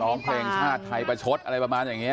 ร้องเพลงชาติไทยประชดอะไรประมาณอย่างนี้